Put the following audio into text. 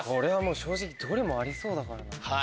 正直どれもありそうだからな。